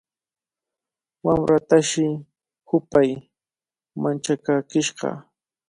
Wamratashi hupay manchakaachishqa.